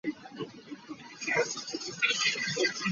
Kan ngaih a faak ko.